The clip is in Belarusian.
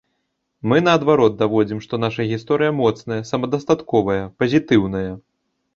Мы, наадварот, даводзім, што наша гісторыя моцная, самадастатковая, пазітыўная.